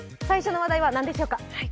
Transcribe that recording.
最初の話題は何でしょうか？